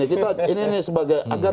ini sebagai agar